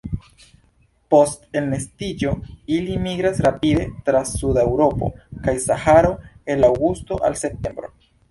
Post elnestiĝo ili migras rapide tra suda Eŭropo kaj Saharo el aŭgusto al septembro.